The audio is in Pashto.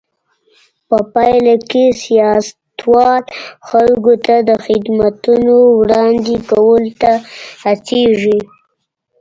په پایله کې سیاستوال خلکو ته د خدمتونو وړاندې کولو ته هڅېږي.